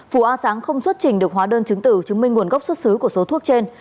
phù a sáng không xuất trình được hóa đơn chứng tử chứng minh nguồn gốc xuất xứ của số thuốc trên